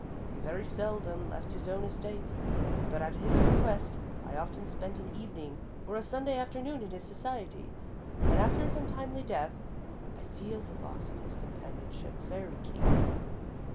He very seldom left his own estate, but at his request I often spent an evening or a Sunday afternoon in his society, and after his untimely death, I feel the loss of his companionship very keenly.